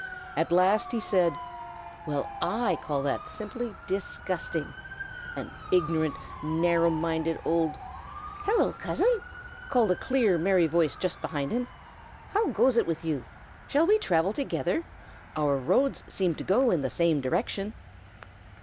At last he said: "Well, I call that simply disgusting! An ignorant, narrow minded old " "Hello, cousin!" called a clear merry voice just behind him. "How goes it with you? Shall we travel together? Our roads seem to go in the same direction."